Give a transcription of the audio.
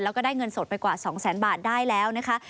แล้วก็ได้เงินสดไปกว่า๒แสนบาทได้แล้วนะคะ